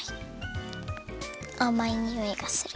あまいにおいがする。